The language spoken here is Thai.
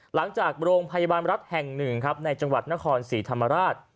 หลังจากโรงพยาบาลรัฐแห่ง๑ในจังหวัดนคร๔ธรรมราช